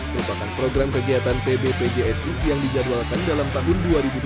merupakan program kegiatan pb pjsi yang dijadwalkan dalam tahun dua ribu dua puluh tiga